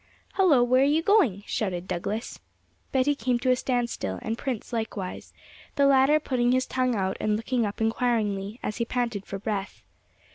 'Hullo, where are you going?' shouted Douglas. Betty came to a standstill, and Prince likewise, the latter putting his tongue out and looking up inquiringly, as he panted for breath.